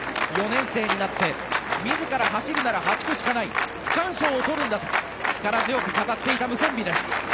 ４年生になって自ら走るなら８区しかない区間賞を取るんだと力強く語っていたムセンビです。